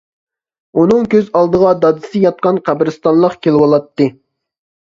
ئۇنىڭ كۆز ئالدىغا دادىسى ياتقان قەبرىستانلىق كېلىۋالاتتى.